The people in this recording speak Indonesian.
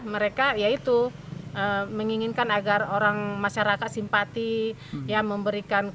mereka ya itu menginginkan agar orang masyarakat simpati ya memberikan